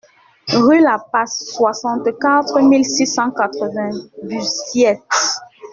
Rue Lapas, soixante-quatre mille six cent quatre-vingts Buziet